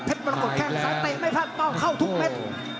ปรากฏแข้งซ้ายเตะไม่พลาดเป้าเข้าทุกเม็ด